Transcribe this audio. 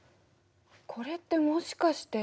これってもしかして。